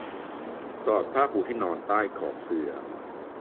สอดผ้าปูที่นอนใต้ขอบเสื่อ